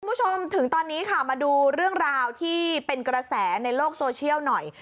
คุณผู้ชมถึงตอนนี้ค่ะมาดูเรื่องราวที่เป็นกระแสในโลกโซเชียลหน่อย